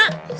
aku di sini